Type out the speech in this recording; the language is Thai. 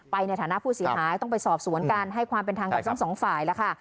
ไปในฐานะผู้ศิษยาต้องไปสอบสวนการให้ความเป็นทางกับสองสองฝ่ายละค่ะ